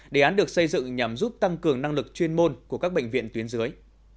đề án được xây dựng nhằm giúp tăng cường năng lực chuyên môn của các bệnh viện tuyến dưới